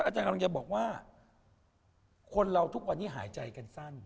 อาจารย์กำลังจะบอกว่าคนเราทุกวันนี้หายใจกันสั้น